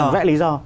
vẽ lý do